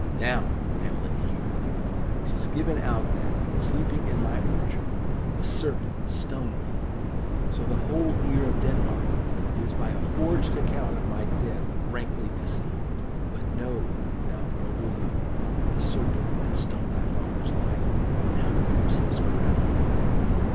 "Now, Hamlet, hear. 'Tis given out that, sleeping in my orchard, a serpent stung me; so the whole ear of Denmark is by a forged account of my death rankly deceived. But know, thou noble youth, the serpent that stung thy father's life now wears his crown."